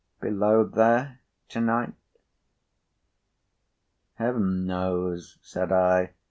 Below there!' to night?" "Heaven knows," said I.